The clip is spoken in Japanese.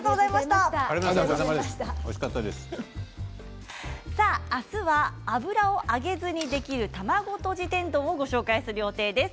あすは油で揚げずにできる卵とじ天丼をご紹介する予定です。